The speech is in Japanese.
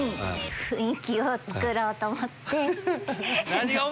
雰囲気をつくろうと思って。